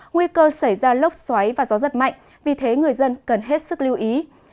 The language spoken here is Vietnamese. nguy cơ xảy ra lốc xoáy và gió rất mạnh vì thế người dân cần hết sức lưu ý